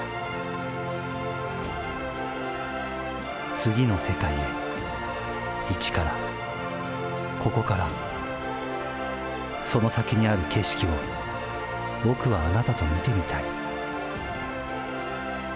次の世界へ、一から、ここから、その先にある景色を僕はあなたと見てみたい。